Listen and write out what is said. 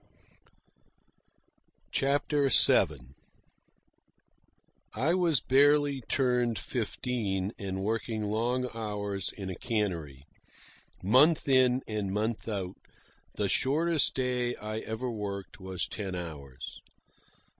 CHAPTER VII I was barely turned fifteen, and working long hours in a cannery. Month in and month out, the shortest day I ever worked was ten hours.